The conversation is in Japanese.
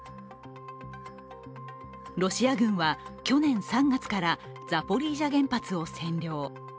ロシア軍は去年３月からザポリージャ原発を占領。